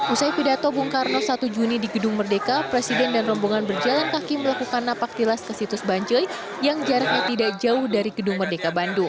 usai pidato bung karno satu juni di gedung merdeka presiden dan rombongan berjalan kaki melakukan napak tilas ke situs banjoi yang jaraknya tidak jauh dari gedung merdeka bandung